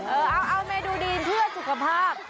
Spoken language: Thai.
เอาเมนูดีเพื่อสุขภาพ